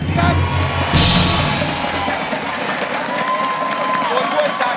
โจทย์เพื่อนจาก